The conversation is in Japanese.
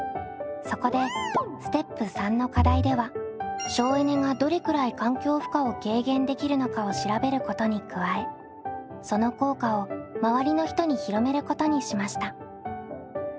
そこでステップ③の課題では省エネがどれくらい環境負荷を軽減できるのかを調べることに加えその効果をまわりの人に広めることにしました。